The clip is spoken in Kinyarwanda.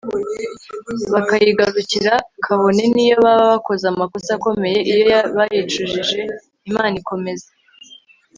bakayigarukira kabone n'iyo baba bakoze amakosa akomeye, iyo bayicujije imana ikomeza